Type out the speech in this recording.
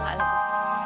sampai jumpa lagi